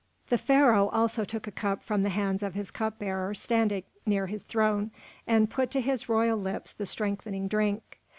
The Pharaoh also took a cup from the hands of his cup bearer standing near his throne, and put to his royal lips the strengthening drink.